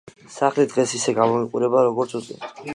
სახლი დღეს ისე გამოიყურება, როგორც უწინ.